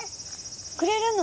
くれるの？